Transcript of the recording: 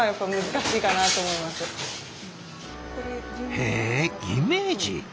へえイメージ！